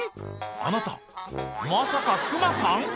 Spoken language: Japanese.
あなたまさか熊さん？